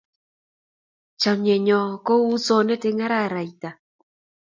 Chamyenyo ko u usonet eng araraita